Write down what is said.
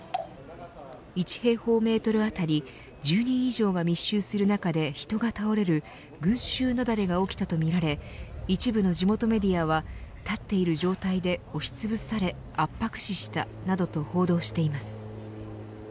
１平方メートル当たり１０人以上が密集する中で人が倒れる群衆雪崩が起きたとみられ一部の地元メディアは立っている状態で押しつぶされ圧迫死したなどと報道しています。